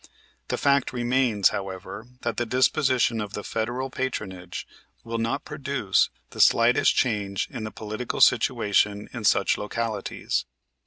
The fact remains, however, that the disposition of the federal patronage will not produce the slightest change in the political situation in such localities.